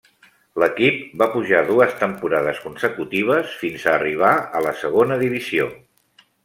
L'equip va pujar dues temporades consecutives fins a arribar a la Segona Divisió.